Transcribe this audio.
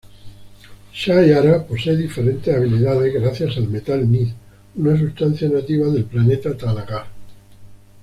Chay-Ara posee diferentes habilidades gracias al Metal Nth, una sustancia nativa del planeta Thanagar.